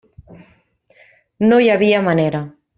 No hi havia manera.